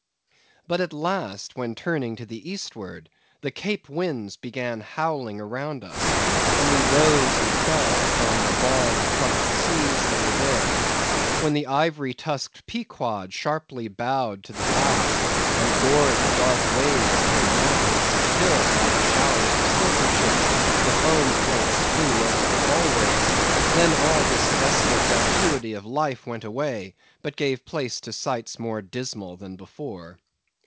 But, at last, when turning to the eastward, the Cape winds began howling around us, and we rose and fell upon the long, troubled seas that are there; when the ivory tusked Pequod sharply bowed to the blast, and gored the dark waves in her madness, till, like showers of silver chips, the foam flakes flew over her bulwarks; then all this desolate vacuity of life went away, but gave place to sights more dismal than before.